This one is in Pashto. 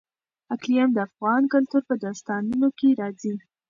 اقلیم د افغان کلتور په داستانونو کې راځي.